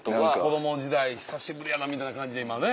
子供時代久しぶりやなみたいな感じで今ね